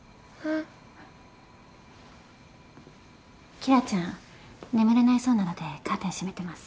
紀來ちゃん眠れないそうなのでカーテン閉めてます。